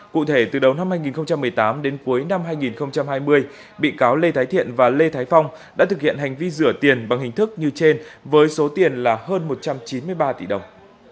cụ thể từ đầu năm hai nghìn một mươi tám đến cuối năm hai nghìn hai mươi bị cáo lê thái thiện và lê thái phong đã thực hiện hành vi rửa tiền bằng hình thức như trên với số tiền là hơn một trăm chín mươi ba tỷ đồng